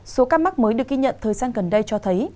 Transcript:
số ca mắc mới được ghi nhận thời gian gần đây cho thấy